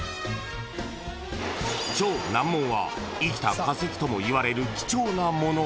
［超難問は生きた化石ともいわれる貴重なもの。